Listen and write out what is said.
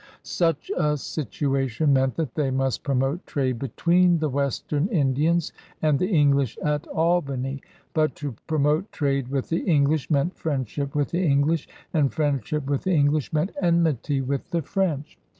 Such a situation meant that they must promote trade between the western Indians and the English at Albany; but to promote trade with the English meant friendship with the English, and friendship with the English meant enmity with the French.